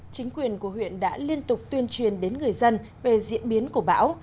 chính quyền của huyện đã liên tục tuyên truyền đến người dân về diễn biến của bão